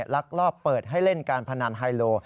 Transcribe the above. ลักลอบเปิดให้เล่นการพนันไฮโล